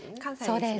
そうです。